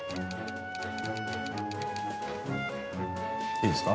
いいですか？